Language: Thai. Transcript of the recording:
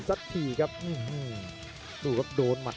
กันต่อแพทย์จินดอร์